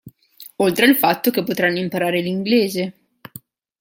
Oltre al fatto che potranno imparare l'inglese.